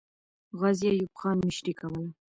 غازي ایوب خان مشري کوله.